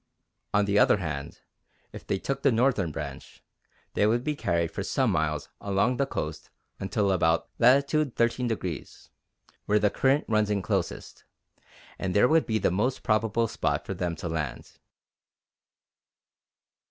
On the other hand, if they took the northern branch, they would be carried for some miles along the coast until about latitude 13°, where the current runs in closest, and there would be the most probable spot for them to land.